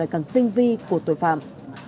càng tinh vi của tội phạm